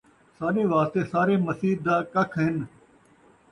ساݙے واسطے سارے مسیت دا ککھ ہن